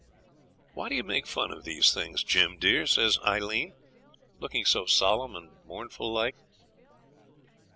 'Why do you make fun of these things, Jim, dear?' says Aileen, looking so solemn and mournful like.